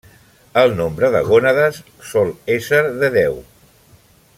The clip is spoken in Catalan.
El nombre de gònades sol ésser de deu.